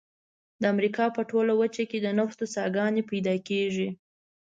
د امریکا په ټوله وچه کې د نفتو څاګانې پیدا کیږي.